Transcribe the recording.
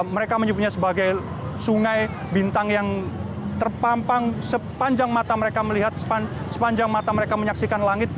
mereka menyebutnya sebagai sungai bintang yang terpampang sepanjang mata mereka melihat sepanjang mata mereka menyaksikan langit